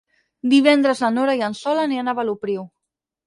Divendres na Nora i en Sol aniran a Vilopriu.